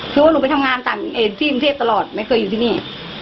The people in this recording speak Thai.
คือว่าหนูไปทำงานต่างที่กรุงเทพตลอดไม่เคยอยู่ที่นี่